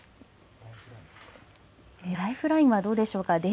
ライフラインはどうでしょうか。